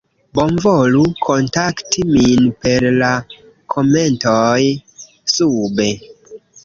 bonvolu kontakti min per la komentoj sube